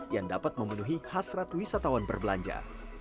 yang dapat memenuhi hasrat wisatawan berbelanja